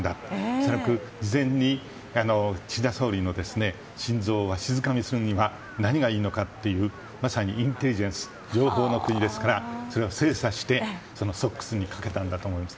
恐らく事前に岸田総理の心臓をわしづかみにするには何がいいのかというまさにインテリジェンス情報の国なので精査してソックスにかけたんだと思います。